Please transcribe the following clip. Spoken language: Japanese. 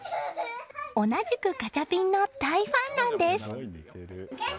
同じくガチャピンの大ファンなんです。